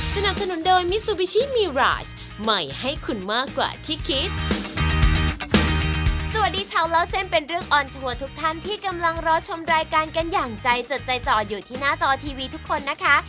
สวัสดีชาวเล่าเส้นเป็นเรื่องออนทัวร์ทุกท่านที่กำลังรอชมรายการกันอย่างใจจดใจจ่ออยู่ที่หน้าจอทีวีทุกคนนะคะ